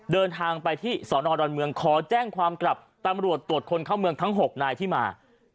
เดินทางไปที่สอนอดอนเมืองขอแจ้งความกลับตำรวจตรวจคนเข้าเมืองทั้ง๖นายที่มา